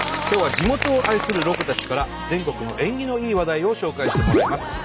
今日は地元を愛するロコたちから全国の縁起のいい話題を紹介してもらいます。